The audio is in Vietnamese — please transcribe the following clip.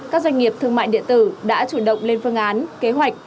các doanh nghiệp thương mại điện tử đã chủ động lên phương án kế hoạch